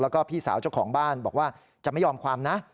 แล้วก็พี่สาวเจ้าของบ้านบอกว่าจะไม่ยอมความนะ